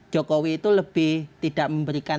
jokowi itu lebih tidak memberikan